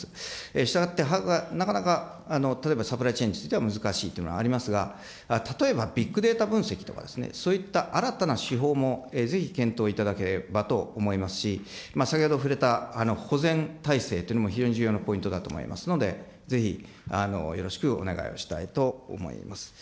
したがって、なかなか例えばサプライチェーンについては、難しいというのがありますが、例えばビッグデータ分析とかですね、そういった新たな手法もぜひ検討いただければと思いますし、先ほど触れた保全体制というのも、非常に重要なポイントだと思いますので、ぜひよろしくお願いをしたいと思います。